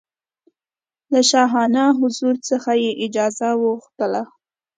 له شاهانه حضور څخه یې اجازه وغوښتله.